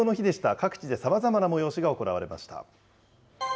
各地で様々な催しが行われました。